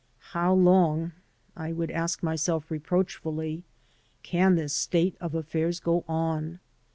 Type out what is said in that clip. ^^How long/' I would ask myself, reproachfully, ^'can this state of affairs go on?